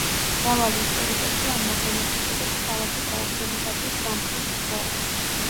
მრავალი ისტორიკოსი ამ მოვლენას უწოდებს ქალაქის დაუფლებისათვის „სამმხრივ ბრძოლას“.